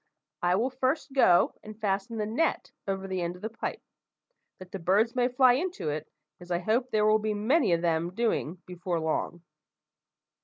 I will first go and fasten the net over the end of the pipe, that the birds may fly into it, as I hope there will be many of them doing before long.